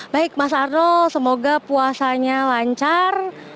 baik mas arnold semoga puasanya lancar